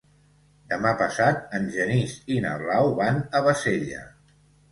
Demà passat en Genís i na Blau van a Bassella.